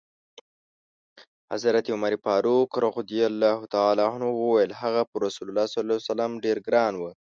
حضرت عمر فاروق وویل: هغه پر رسول الله ډېر ګران و.